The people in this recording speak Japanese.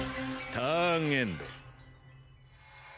ターンエンド。